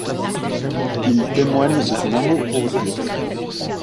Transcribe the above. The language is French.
Il témoigne de son amour pour Dieu.